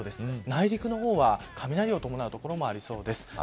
内陸の方は雷を伴う所もありそうです。